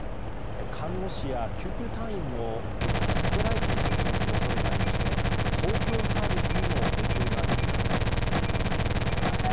看護師や救急隊員もこういったストライキに突入する恐れがありまして公共サービスにも影響が出ています。